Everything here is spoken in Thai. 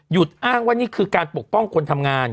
อ้างว่านี่คือการปกป้องคนทำงาน